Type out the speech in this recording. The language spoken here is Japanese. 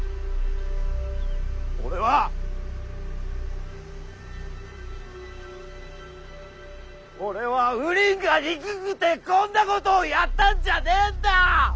俺は俺はウリンが憎くてこんなことをやったんじゃねえんだ！